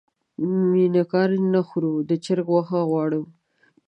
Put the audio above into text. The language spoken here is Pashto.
مېکاروني نه خورو د چرګ غوښه غواړو.